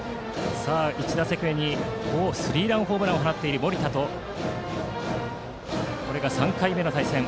１打席目にスリーランホームランを放っている森田とこれが３回目の対戦。